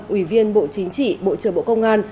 ủy viên bộ chính trị bộ trưởng bộ công an